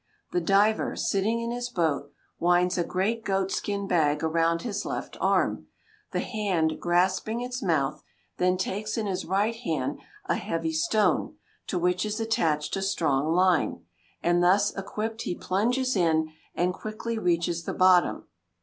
The diver, sitting in his boat, winds a great goat skin bag around his left arm, the hand grasping its mouth; then takes in his right hand a heavy stone, to which is attached a strong line, and thus equipped he plunges in, and quickly reaches the bottom.